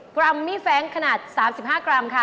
กรัมมี่แฟ้งขนาด๓๕กรัมค่ะ